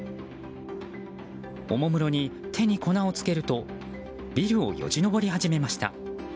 おもむろに手に粉をつけるとビルをよじ登り始めました。